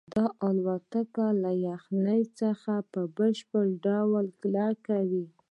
دا الوتکه له یخنۍ څخه په بشپړ ډول کلکه وه